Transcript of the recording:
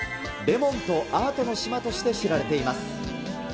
レモンとアートの島として知られています。